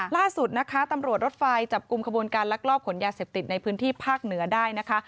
ล่าสุดนะคะตำรวจรถไฟจับกลุ่มขบวนการลักลอบขนยาเสพติดในพื้นที่ภาคเหนือได้นะคะ